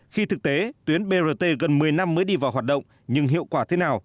khi thực tế tuyến brt gần một mươi năm mới đi vào hoạt động nhưng hiệu quả thế nào